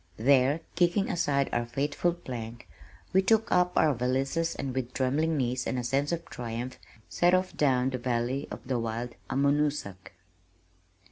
There, kicking aside our faithful plank, we took up our valises and with trembling knees and a sense of triumph set off down the valley of the wild Amonoosuc.